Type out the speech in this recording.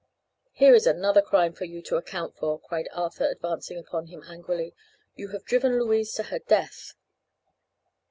"Here is another crime for you to account for!" cried Arthur, advancing upon him angrily. "You have driven Louise to her death!"